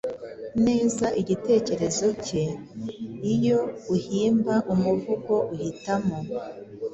neza igitekerezo ke. Iyo uhimba umuvugo, uhitamo